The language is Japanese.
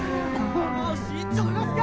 よしいっちょ脱がすか！